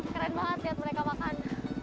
keren banget lihat mereka makan